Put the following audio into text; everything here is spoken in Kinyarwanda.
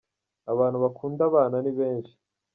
abantu bakunda abana nibenshi